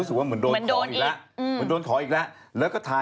สรุปแล้วง่ายก็คือว่า